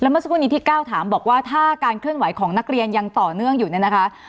เมื่อสักครู่นี้ที่ก้าวถามบอกว่าถ้าการเคลื่อนไหวของนักเรียนยังต่อเนื่องอยู่เนี่ยนะคะ